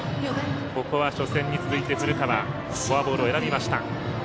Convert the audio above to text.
ここは初戦に続いて、古川フォアボールを選びました。